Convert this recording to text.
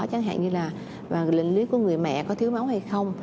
chẳng hạn như là lĩnh lý của người mẹ có thiếu máu hay không